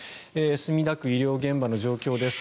墨田区の医療現場の状況です。